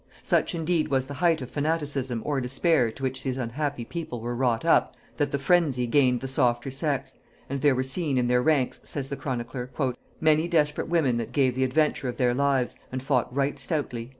Such indeed was the height of fanaticism or despair to which these unhappy people were wrought up, that the phrensy gained the softer sex; and there were seen in their ranks, says the chronicler, "many desperate women that gave the adventure of their lives, and fought right stoutly."